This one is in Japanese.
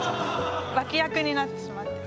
脇役になってしまって。